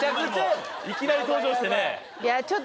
いきなり登場してね